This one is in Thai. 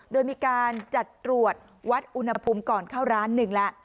โดยมีการจัดตรวจวัดอุณหาภูมิก่อนเข้าร้าน๑ละ